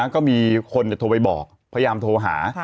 ก็มีคนโทรไปบอกพยายามโทรหา